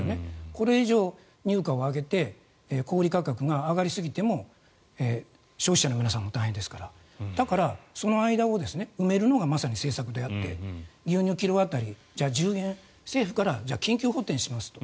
これ以上、乳価を上げて小売価格が上がりすぎても消費者の皆さんが大変ですからだから、その間を埋めるのがまさに政策であって牛乳、キロ当たり１０円政府から緊急補てんしますと。